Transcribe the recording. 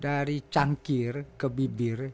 dari cangkir ke bibir